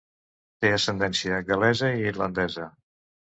Té ascendència gal·lesa i irlandesa.